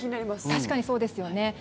確かにそうですよね。